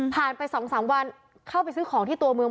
ไป๒๓วันเข้าไปซื้อของที่ตัวเมือง